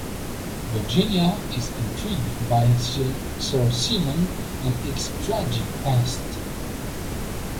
Virginia is intrigued by Sir Simon and his tragic past.